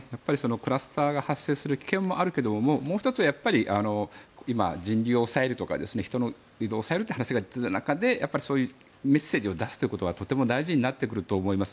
クラスターが発生する危険もあるけれどももう１つは今、人流を抑えるとか人の移動を抑えるという話が出ていた中でそういうメッセージを出すということはとても大事になってくると思います。